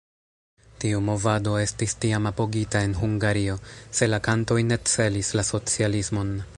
Tiu movado estis tiam apogita en Hungario, se la kantoj ne celis la socialismon.